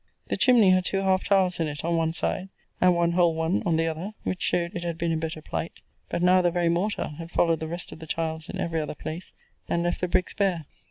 The chimney had two half tiles in it on one side, and one whole one on the other; which showed it had been in better plight; but now the very mortar had followed the rest of the tiles in every other place, and left the bricks bare.